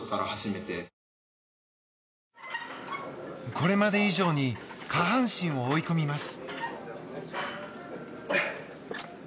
これまで以上に下半身を追い込みます。